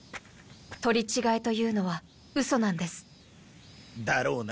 取り違えというのはウソなんです。だろうな。